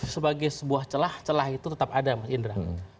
sebagai sebuah celah celah itu tetap ada mas indra